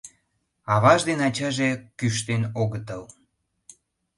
Аваже ден ачаже кӱштен огытыл.